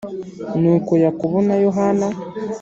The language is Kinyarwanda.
Nuko Yakobo na Yohana